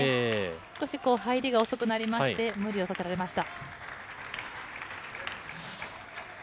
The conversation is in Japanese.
少し入りが遅くなりまして、無理をさせられました。